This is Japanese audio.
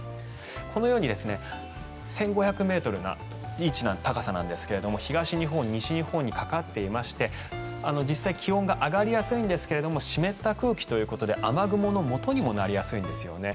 このように１５００ｍの位置の高さなんですが東日本、西日本にかかっていまして実際、気温が上がりやすいんですが湿った空気ということで雨雲のもとにもなりやすいんですよね。